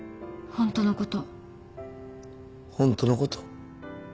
ホントのこと？